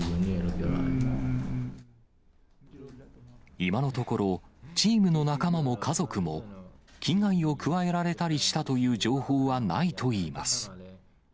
今のところ、チームの仲間も家族も、危害を加えられたりしたという情報はないといいます。